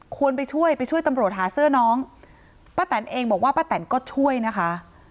ควรไปช่วยไปช่วยตำรวจหาเสื้อน้องป้าแตนเองบอกว่าป้าแตนก็ช่วยนะคะ